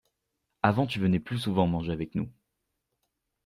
Avant tu venais plus souvent manger avec nous.